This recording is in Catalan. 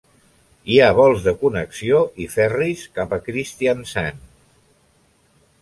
Hi ha vols de connexió i ferris cap a Kristiansand.